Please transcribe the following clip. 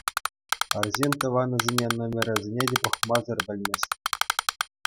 Арҫын тӑванӗсене номерӗсене те пӑхмасӑр пӗлмест.